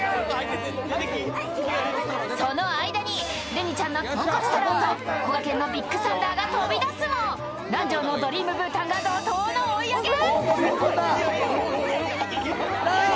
その間にれにちゃんのトンコツタローとこがけんのビッグサンダーが飛び出すも南條のドリームブータンが怒とうの追い上げ。